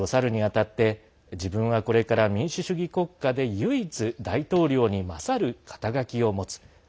ホワイトハウスを去るにあたって自分はこれから民主主義国家で唯一大統領に勝る肩書を持つ。